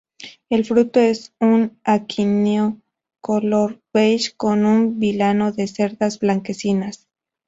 El fruto es un aquenio color beige con un vilano de cerdas blanquecinas.